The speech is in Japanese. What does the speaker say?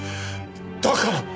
だから。